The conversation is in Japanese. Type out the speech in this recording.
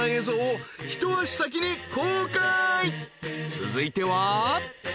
［続いては］